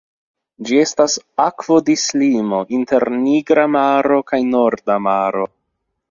Ĝi estas akvodislimo inter Nigra Maro kaj Norda Maro.